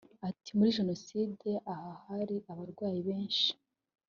Ati “Muri Jenoside aha hari abarwayi benshi